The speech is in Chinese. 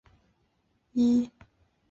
重量级是搏击运动的体重级别之一。